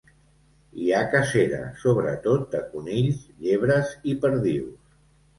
Hi ha cacera, sobretot de conills, llebres i perdius.